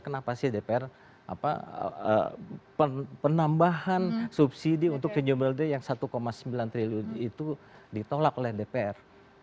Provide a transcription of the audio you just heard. kenapa sih dpr penambahan subsidi untuk renewable day yang satu sembilan triliun itu ditolak oleh dpr